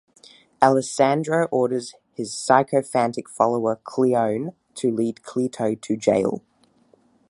Alessandro orders his sycophantic follower Cleone to lead Cleto to jail.